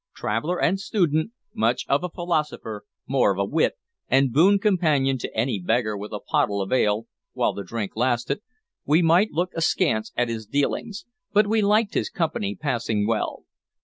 Traveler and student, much of a philosopher, more of a wit, and boon companion to any beggar with a pottle of ale, while the drink lasted, we might look askance at his dealings, but we liked his company passing well.